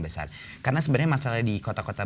besar karena sebenarnya masalah di kota kota